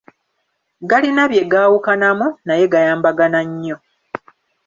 Galina bye gaawukanamu, naye gayambagana nnyo.